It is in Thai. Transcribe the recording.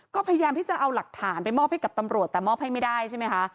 ก็พยายามที่จะเอาหลักฐานไปมอบให้กับตำรวจแต่มอบให้ไม่ได้ใช่ไหมคะ